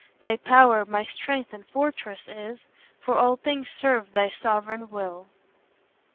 Thy power my strength and fortress is, For all things serve thy sovereign will.